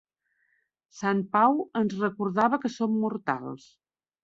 Sant Pau ens recordava que som mortals.